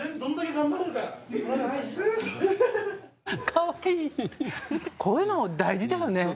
可愛いこういうの大事だよね。